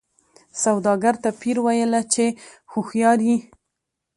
سوداګر ته پیر ویله چي هوښیار یې